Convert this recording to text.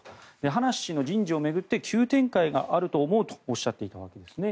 葉梨氏の人事を巡って急展開があると思うとおっしゃっていたわけですね。